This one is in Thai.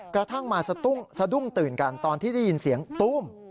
กระทั่งมาสะดุ้งตื่นกันตอนที่ได้ยินเสียงตู้ม